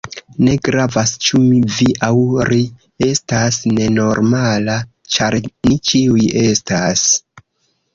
Ne gravas ĉu mi, vi aŭ ri estas nenormala, ĉar ni ĉiuj estas.